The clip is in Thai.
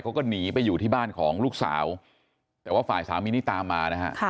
เขาก็หนีไปอยู่ที่บ้านของลูกสาวแต่ว่าฝ่ายสามีนี่ตามมานะฮะ